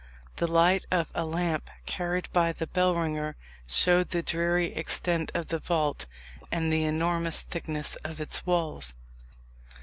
The light of a lamp carried by the bellringer showed the dreary extent of the vault, and the enormous thickness of its walls.